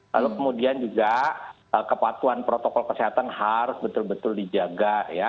lalu kemudian juga kepatuhan protokol kesehatan harus betul betul dijaga ya